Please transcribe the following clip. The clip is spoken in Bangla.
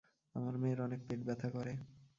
আমার মেয়ের অনেক পেট ব্যথা করে।